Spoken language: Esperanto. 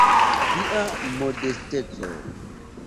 Tia modesteco!